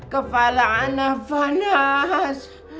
kepala anak fanas